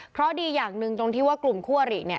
เพราะดีอย่างหนึ่งตรงที่ว่ากลุ่มคู่อริเนี่ย